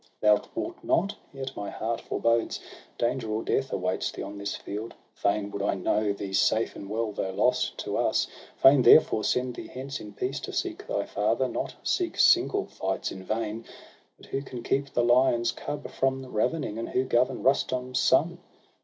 — Thou wilt not.? Yet my heart forebodes Dansrer or death awaits thee on this field. SOHRAB AND RUSTUM. 87 Fain would I know thee safe and well, though lost To us; fain therefore send thee hence, in peace To seek thy father, not seek single fights In vain ;— but who can keep the lion's cub From ravening, and who govern Rustum's son?